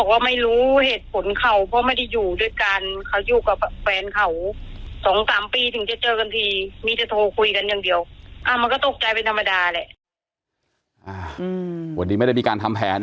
วันนี้ไม่ได้มีการทำแผน